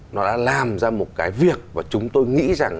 nó đã làm ra một cái việc và chúng tôi nghĩ rằng